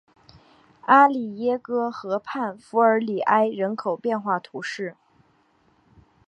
阿里耶格河畔弗尔里埃人口变化图示